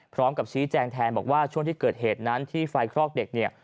พร้อมกับชี้แจงแทนบอกว่าช่วงที่เกิดเหตุนั้นที่ไฟคลอกเด็กเนี่ย